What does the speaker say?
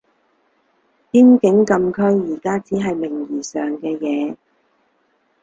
邊境禁區而家只係名義上嘅嘢